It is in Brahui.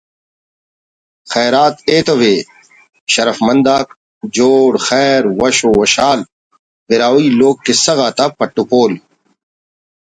خیرات ایتوءِ“ شرفمندآک جوڑ خیر وش وشحال ”براہوئی لوک کسہ غاتا پٹ پول